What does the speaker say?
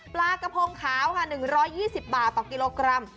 ปลากระพงขาวค่ะ๑๒๐บาทต่อกิโลกรัม